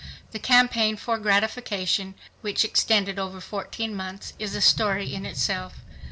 The campaign for ratification, which extended over fourteen months, is a story in itself.